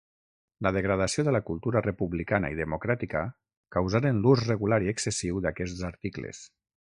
La degradació de la cultura republicana i democràtica causaren l'ús regular i excessiu d'aquests articles.